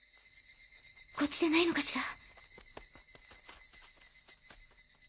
こっちじゃないのかしら。